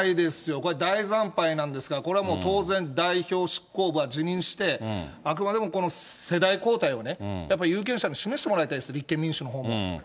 これ、大惨敗なんですから、これは当然、代表執行部は辞任して、あくまでも世代交代をね、やっぱ有権者に示してもらいたいです、立憲民主のほうも。